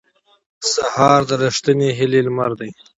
سهار د رښتینې هیلې لمر دی.